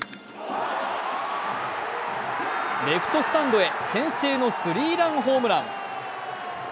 レフトスタンドへ先制のスリーランホームラン。